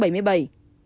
trung bình bảy